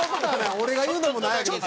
俺が言うのもなんやけど。